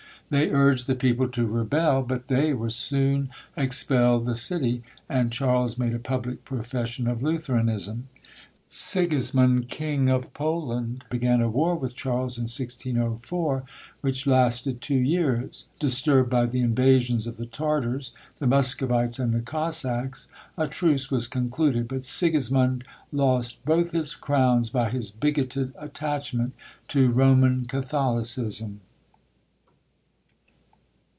They urged the people to rebel; but they were soon expelled the city, and Charles made a public profession of Lutheranism. Sigismond, King of Poland, began a war with Charles in 1604, which lasted two years. Disturbed by the invasions of the Tartars, the Muscovites, and the Cossacs, a truce was concluded; but Sigismond lost both his crowns, by his bigoted attachment to Roman Catholicism.